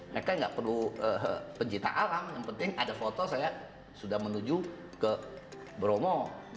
mereka nggak perlu pencipta alam yang penting ada foto saya sudah menuju ke bromo